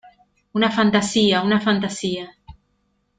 ¡ una fantasía! ¡ una fantasía !...